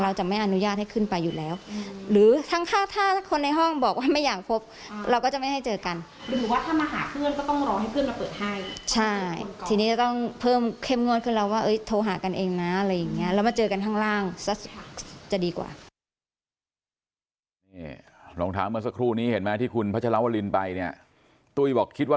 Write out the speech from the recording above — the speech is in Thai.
รองเท้าเมื่อซักครู่นี้เห็นไหมที่คุณพัชราวริลไปเนี่ยตุ้ยบอกคิดว่า